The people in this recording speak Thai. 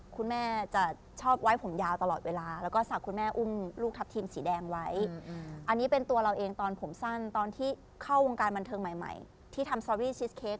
คุณแม่จะชอบไว้ผมยาวตลอดเวลาแล้วก็ศักดิ์คุณแม่อุ้มลูกทัพทีมสีแดงไว้อันนี้เป็นตัวเราเองตอนผมสั้นตอนที่เข้าวงการบันเทิงใหม่ที่ทำสตอรี่ชิสเค้ก